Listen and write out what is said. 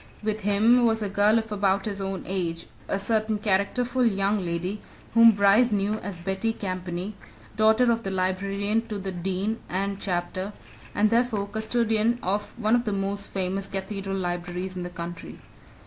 With him was a girl of about his own age a certain characterful young lady whom Bryce knew as Betty Campany, daughter of the librarian to the Dean and Chapter and therefore custodian of one of the most famous cathedral libraries in the country.